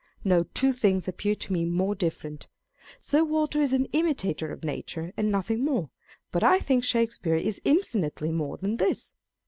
No two things appear to me more different. Sir Walter is an imitator of nature and nothing more ; but I think Shakespeare is infinitely more than this.